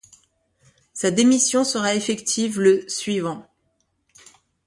Sa démission sera effective le suivant.